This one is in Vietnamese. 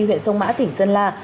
huyện sông mã tỉnh sơn la